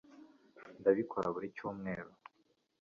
ndabikora buri cyumweru